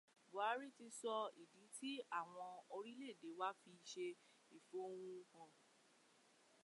Bùhárí ti sọ ìdí tí àwọn ọmọ orílẹ̀ èdè wa fi ṣe ìfẹ̀hónúhàn